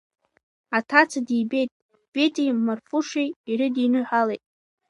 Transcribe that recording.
Аҭаца дибеит, Витиеи Марфушеи ирыдиныҳәалеит.